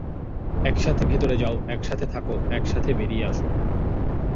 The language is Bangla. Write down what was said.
একসাথে ভেতরে যাও, একসাথে থাকো, একসাথে বেরিয়ে এসো।